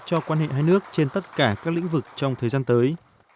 cho quan hệ hai nước trên tất cả các lĩnh vực trong thời gian tới